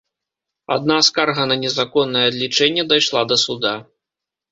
Адна скарга на незаконнае адлічэнне дайшла да суда.